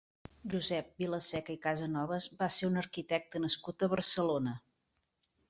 Josep Vilaseca i Casanovas va ser un arquitecte nascut a Barcelona.